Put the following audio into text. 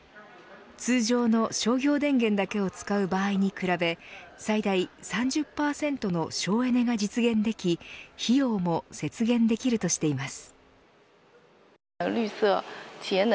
通常の商業電源だけを使う場合に比べて最大３０％の省エネが実現でき費用も節減できるとしています。